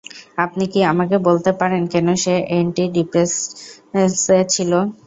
আপনি কি আমাকে বলতে পারেন কেন সে এন্টিডিপ্রেসেন্টসে ছিল?